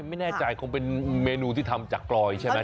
ไม่แน่ใจคงเป็นเมนูที่ทำจากกลอยใช่ไหม